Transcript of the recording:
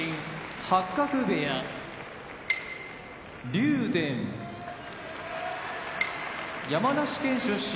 八角部屋竜電山梨県出身